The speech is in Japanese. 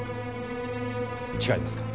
違いますか？